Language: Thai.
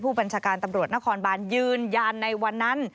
บัญชาการตำรวจนครบานยืนยันในวันนั้น